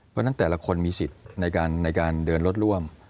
เพราะฉะนั้นแต่ละคนมีสิทธิ์ในการเดินรถร่วม